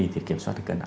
thì kiểm soát được cân